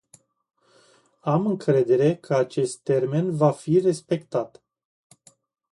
Am încredere că acest termen va fi respectat.